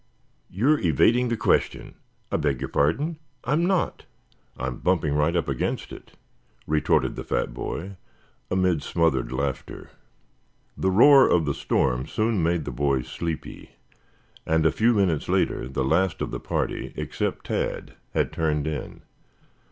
"You are evading the question." "I beg your pardon, I'm not. I am bumping right up against it," retorted the fat boy, amid smothered laughter. The roar of the storm soon made the boys sleepy, and a few minutes later the last of the party, except Tad, had turned in.